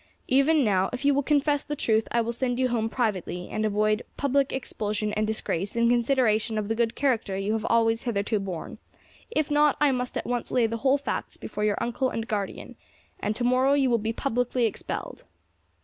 Even now, if you will confess the truth, I will send you home privately, and avoid public expulsion and disgrace in consideration of the good character you have always hitherto borne; if not, I must at once lay the whole facts before your uncle and guardian, and to morrow you will be publicly expelled."